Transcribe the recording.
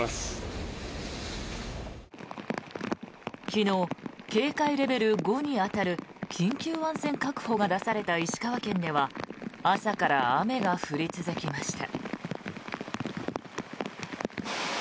昨日、警戒レベル５に当たる緊急安全確保が出された石川県では朝から雨が降り続きました。